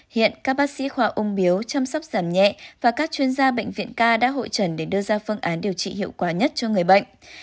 hiện các bác sĩ khoa ung biếu chăm sóc giảm nhẹ và các chuyên gia bệnh viện k đã hội trần để đưa ra phương án điều trị hiệu quả nhất cho người bệnh